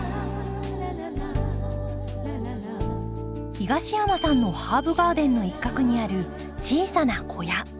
東山さんのハーブガーデンの一角にある小さな小屋。